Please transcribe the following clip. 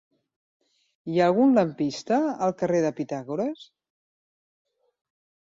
Hi ha algun lampista al carrer de Pitàgores?